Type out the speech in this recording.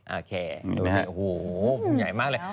โอเคโอ้โฮใหญ่มากเลย